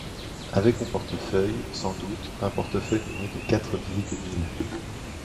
Avec mon portefeuille, sans doute… un portefeuille nourri de quatre billets de mille…